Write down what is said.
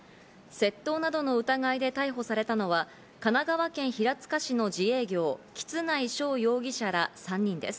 窃盗などの疑いで逮捕されたのは神奈川県平塚市の自営業、橘内翔容疑者ら３人です。